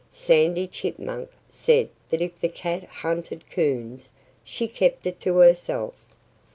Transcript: Sandy Chipmunk said that if the cat hunted coons, she kept it to herself.